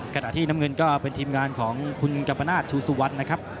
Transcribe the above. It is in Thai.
ขณะน้ำเงินก็เป็นทีมงานของคุณปะนาชูซวัส